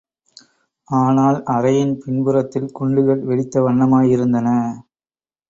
ஆனால் அறையின் பின்புறத்தில் குண்டுகள் வெடித்த வண்ணமாயிருந்தன.